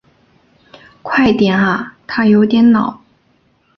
快点啊他有点恼